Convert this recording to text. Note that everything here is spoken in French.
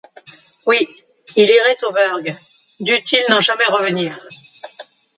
Oui! il irait au burg, dût-il n’en jamais revenir !